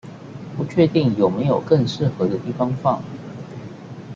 不確定有沒有更適合的地方放